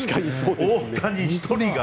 大谷１人が。